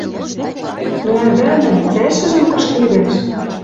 Но ӓвӓнӹм цӓшӹжӹм кышкедӓш